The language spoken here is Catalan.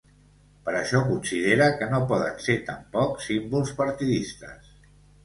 Per això considera que no poden ser tampoc símbols partidistes.